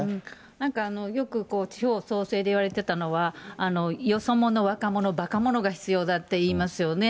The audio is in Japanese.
なんか、よく地方創生でいわれてたのは、よそ者、若者、ばか者が必要だっていいますよね。